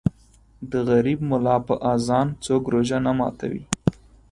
د غریب مولا په اذان څوک روژه نه ماتوي